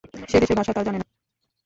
সে দেশের ভাষা তারা জানে না।